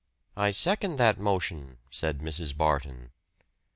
"I second that motion," said Mrs. Barton.